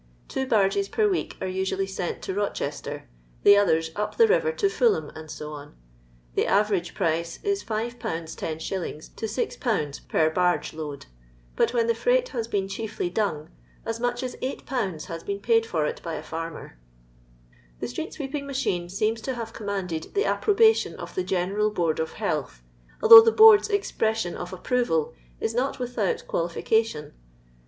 Two barges per week arc usually sent to Bochester, the others up the river to Fulham, &c. The average price is 5?. lOjt. to 6A per bai^e load, bnt when the freight has been chiefly dung, as much as 8^. has been paid for it by a farmer. The street sweeping machine seems to have commanded the approbation of the General Board of Health, although the Board's expression of appro val is not without qualification.